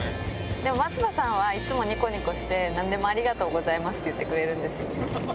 でも松葉さんはいつもにこにこして、なんでもありがとうございますって言ってくれるんですよ。